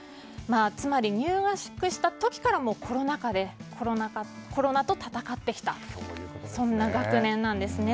つまり、入学した時からコロナ禍でコロナと闘ってきた学年なんですね。